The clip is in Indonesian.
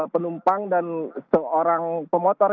penumpang dan seorang pemotor